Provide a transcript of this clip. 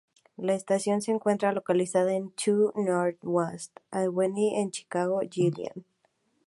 La estación se encuentra localizada en Two North Wabash Avenue en Chicago, Illinois.